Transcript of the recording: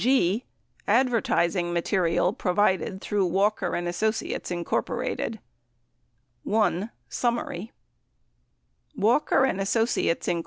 78 G. Advertising Material Provided Through Walker and Associates, Inc. i. summary Walker and Associates, Inc.